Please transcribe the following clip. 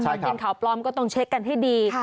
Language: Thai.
พอกินข่าวปลอมก็ต้องเช็คกันให้ดี